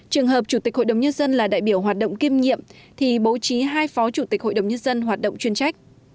trường hợp chủ tịch hội đồng nhân dân là đại biểu hoạt động kiêm nhiệm thì bố trí hai phó chủ tịch hội đồng nhân dân hoạt động chuyên trách